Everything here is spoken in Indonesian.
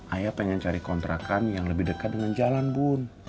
ayah pengen cari kontrakan yang lebih dekat dengan jalan bun